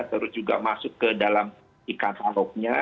terus juga masuk ke dalam e katalognya